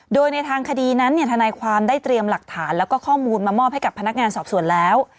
โดยในทางคดีนั้นทนายความได้เตรียมหลักฐานแล้วก็ข้อมูลมามอบให้กับพนักงานสอบส่วนแล้ว